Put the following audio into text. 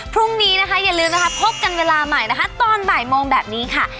พรุ่งนี้นะคะอย่าลืมนะคะพบกันเวลาใหม่นะคะตอนบ่ายโมงแบบนี้ค่ะ